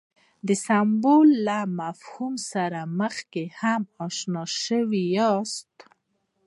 د سمبول له مفهوم سره مخکې هم اشنا شوي یاست.